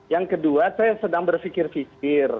yang kedua saya sedang berfikir fikir